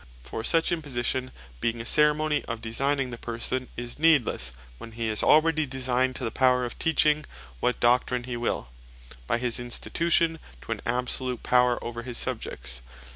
For such imposition being a Ceremony of designing the person, is needlesse, when hee is already designed to the Power of Teaching what Doctrine he will, by his institution to an Absolute Power over his Subjects.